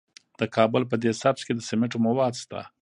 د کابل په ده سبز کې د سمنټو مواد شته.